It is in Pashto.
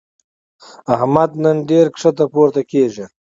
احمد نن ډېر ښکته پورته کېږي.